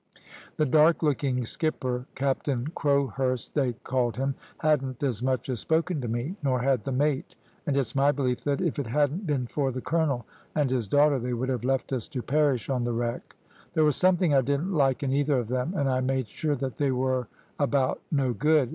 "The dark looking skipper, Captain Crowhurst they called him, hadn't as much as spoken to me, nor had the mate, and it's my belief that if it hadn't been for the colonel and his daughter they would have left us to perish on the wreck. There was something I didn't like in either of them, and I made sure that they were about no good.